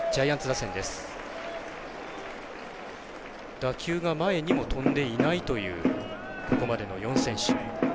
打球が前にも飛んでいないというここまでの４選手。